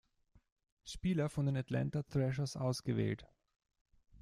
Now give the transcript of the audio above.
Spieler von den Atlanta Thrashers ausgewählt.